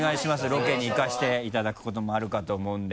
ロケに行かせていただくこともあるかと思うので。